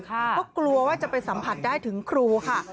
เพราะกลัวว่าจะไปสัมผัสได้ถึงครูค่ะ